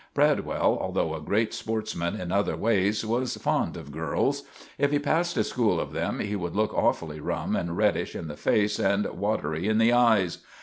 Bradwell, although a great sportsman in other ways, was fond of girls. If he passed a school of them he would look awfully rum and reddish in the face an' watery in the eyes.